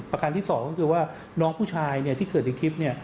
ประการที่สองก็คือว่าน้องผู้ชายที่เกิดในคลิป